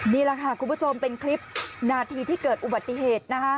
นี่แหละค่ะคุณผู้ชมเป็นคลิปนาทีที่เกิดอุบัติเหตุนะคะ